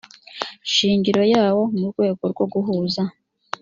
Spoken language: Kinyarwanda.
shingiro yawo mu rwego rwo guhuza